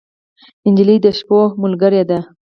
نجلۍ د شپو ملګرې ده.